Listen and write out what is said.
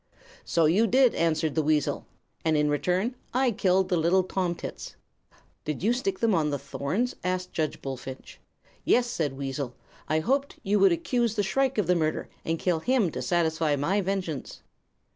"'So you did,' answered the weasel; 'and in return I killed the little tomtits.' "'Did you stick them on the thorns?' asked Judge Bullfinch. "'Yes,' said the weasel. 'I hoped you would accuse the shrike of the murder, and kill him to satisfy my vengeance.'